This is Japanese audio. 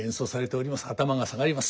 頭が下がります。